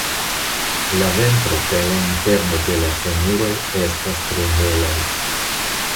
La ventro kaj la interno de la femuroj estas tre helaj.